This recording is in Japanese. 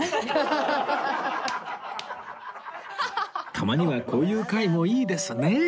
たまにはこういう回もいいですね